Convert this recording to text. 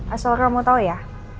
asal kamu tau ya